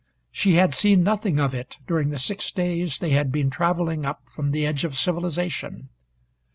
She had seen nothing of it during the six days they had been traveling up from the edge of civilization.